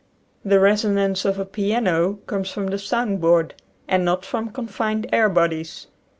The resonance of a piano comes from the sound board and not from confined air bodies.